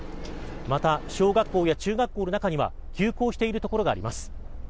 また、小学校や中学校の中には、休校しているところがあります。